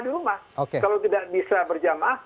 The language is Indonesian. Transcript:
di rumah kalau tidak bisa berjamaah